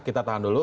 kita tahan dulu